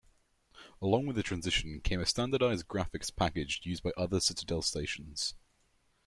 Along with the transition came a standardized graphics package used by other Citadel stations.